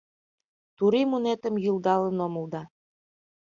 Турий мунетым йӱлдалын омыл да